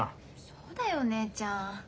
そうだよお姉ちゃん。